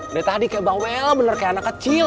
udah tadi kayak bawel bener kayak anak kecil